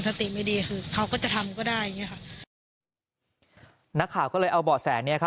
สติไม่ดีคือเขาก็จะทำก็ได้อย่างเงี้ค่ะนักข่าวก็เลยเอาเบาะแสเนี้ยครับ